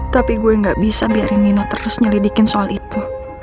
tapi gue gak bisa biarin nino terus nyelidikin soal itu